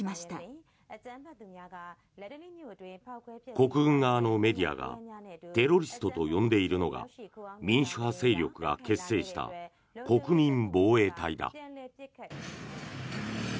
国軍側のメディアがテロリストと呼んでいるのが民主派勢力が結成した国民防衛隊だ。